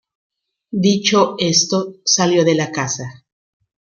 Dicho esto, salió de la casa.